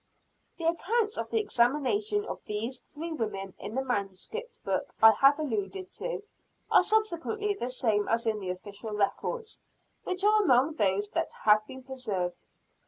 The accounts of the examination of these three women in the manuscript book I have alluded to, are substantially the same as in the official records, which are among those that have been preserved.